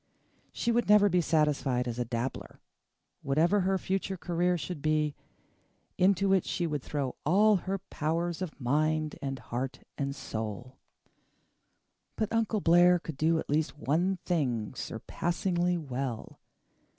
She would never be satisfied as a dabbler; whatever her future career should be, into it she would throw all her powers of mind and heart and soul. But Uncle Blair could do at least one thing surpassingly well.